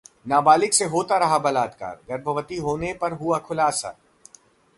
नाबालिग से होता रहा बलात्कार, गर्भवती होने पर हुआ खुलासा